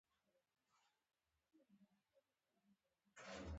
احمد په ښه حال کې لتې وهي.